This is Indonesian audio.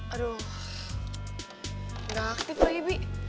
aduh udah aktif lagi bi